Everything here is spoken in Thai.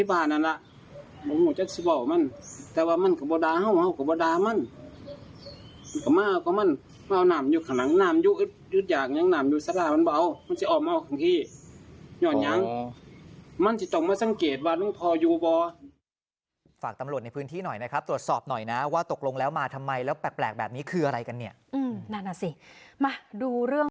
ภาคภาคภาคภาคภาคภาคภาคภาคภาคภาคภาคภาคภาคภาคภาคภาคภาคภาคภาคภาคภาคภาคภาคภาคภาคภาคภาคภาคภาคภาคภาคภาคภาคภาคภาคภาคภาคภาคภาคภาคภาคภาคภาคภาคภาคภาคภาคภาคภาคภาคภาคภาคภาคภาคภาค